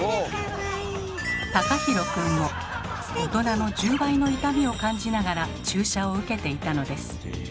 大人の１０倍の痛みを感じながら注射を受けていたのです。